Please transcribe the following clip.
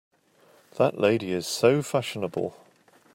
That lady is so fashionable!